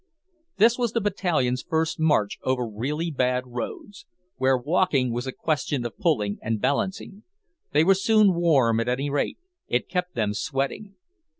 This was the Battalion's first march over really bad roads, where walking was a question of pulling and balancing. They were soon warm, at any rate; it kept them sweating.